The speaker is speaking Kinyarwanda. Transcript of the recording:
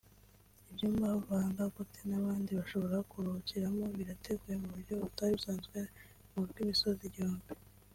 ibyumba ba Dangote n’abandi bashobora kuruhukiramo birateguye mu buryo butari busanzwe mu rw’imisozi igihumbi